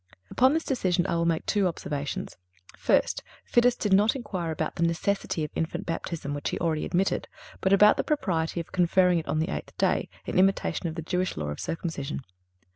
Upon this decision, I will make two observations: First—Fidus did not inquire about the necessity of infant baptism, which he already admitted, but about the propriety of conferring it on the eighth day, in imitation of the Jewish law of circumcision.